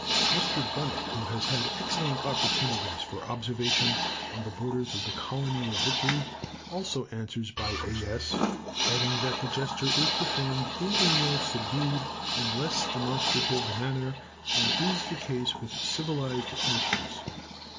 Mr. Bunnett, who has had excellent opportunities for observation on the borders of the Colony of Victory, also answers by a "yes," adding that the gesture is performed "in a more subdued and less demonstrative manner than is the case with civilized nations."